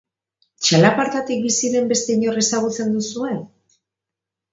Txalapartatik bizi den beste inor ezagutzen duzue?